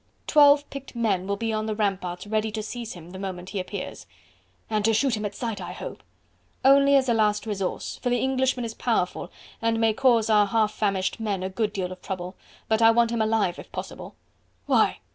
"Twelve picked men will be on the ramparts ready to seize him the moment he appears." "And to shoot him at sight, I hope." "Only as a last resource, for the Englishman is powerful and may cause our half famished men a good deal of trouble. But I want him alive, if possible..." "Why?